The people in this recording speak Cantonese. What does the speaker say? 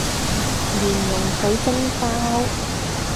蓮蓉水晶包